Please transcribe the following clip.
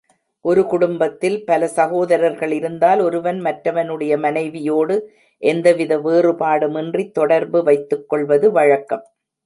ஒரு குடும்பத்தில் பல சகோதரர்கள் இருந்தால், ஒருவன் மற்றவனுடைய மனைவியோடு எந்தவித வேறுபாடுமின்றித் தொடர்பு வைத்துக் கொள்வது வழக்கம்.